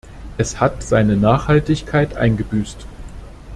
Es hat seine Nachhaltigkeit eingebüßt.